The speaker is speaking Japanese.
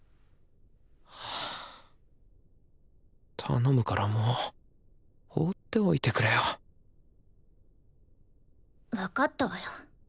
頼むからもう放っておいてくれよ分かったわよ。